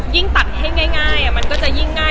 ยิ่งตัดให้ง่าย